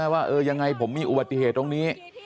ว่ายังไงผมมีอุบัติเหตุตรงนี้